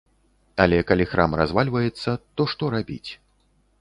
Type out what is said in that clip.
Але калі храм развальваецца, то што рабіць.